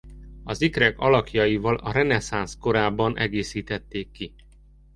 Az ikrek alakjaival a reneszánsz korában egészítették ki.